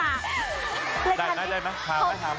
ได้มั้ยข้าวมั้ยข้าว